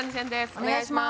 お願いします